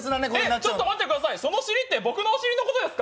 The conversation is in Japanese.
ちょっと待ってください、その尻って僕のお尻のことですか。